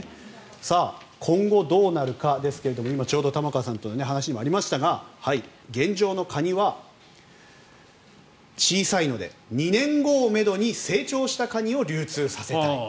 今後、どうなるかですがちょうど玉川さんの話にもありましたが現状のカニは小さいので２年後をめどに成長したカニを流通させたい。